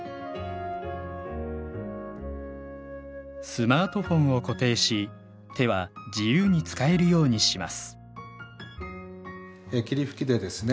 スマートフォンを固定し手は自由に使えるようにします霧吹きでですね